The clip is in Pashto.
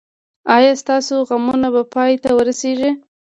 ایا ستاسو غمونه به پای ته ورسیږي؟